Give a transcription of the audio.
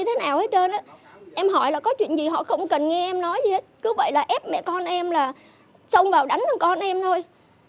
thế nào hết em hỏi là có chuyện gì họ không cần nghe em nói gì hết cứ vậy là ép mẹ con em là xông vào đánh con em thôi